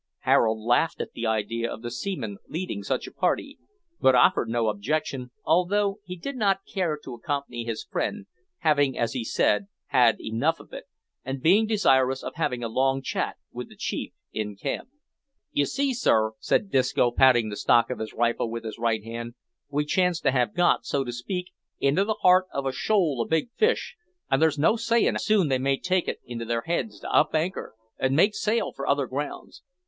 Harold laughed at the idea of the seaman leading such a party, but offered no objection, although he did not care to accompany his friend, having, as he said, had enough of it, and being desirous of having a long chat with the chief in camp. "You see, sir," said Disco, patting the stock of his rifle with his right hand, "we chance to have got, so to speak, into the heart of a shoal o' big fish, an' there's no sayin' how soon they may take it into their heads to up anchor, and make sail for other grounds.